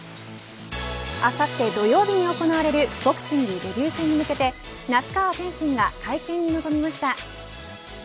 あさって土曜日に行われるボクシングデビュー戦に向けて那須川天心が会見に臨みました。